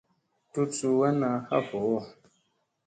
Tut suu wann ha vooʼo.